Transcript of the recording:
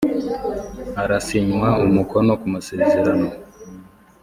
Harasinywa umukono ku masezerano .